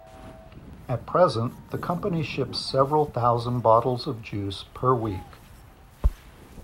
At present, the company ships several thousand bottles of juice per week.